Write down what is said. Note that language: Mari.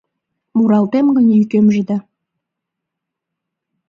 Муралтем гын, йӱкемже да